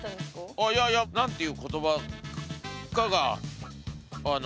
あっいやいや何ていう言葉かが迷ってたから。